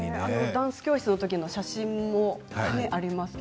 ダンス教室のときの写真もあります。